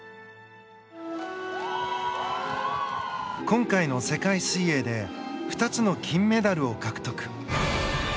今回の世界水泳で２つの金メダルを獲得。